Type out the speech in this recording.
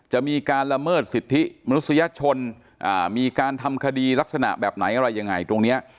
จะมีการละเมิดสิทธิมนุษยชนมีการทำคดีลักษณะแบบไหนอะไรยังไงตรงนี้